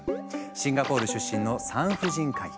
シンガポール出身の産婦人科医。